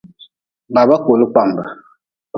Baba kooli kpambe.